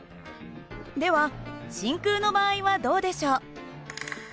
では真空の場合はどうでしょう？